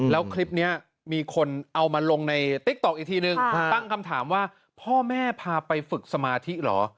แล้วคลิปนี้มีคนเอามาลงในติ๊กต๊อกอีกทีนึงตั้งคำถามว่าพ่อแม่พาไปฝึกสมาธิเหรอ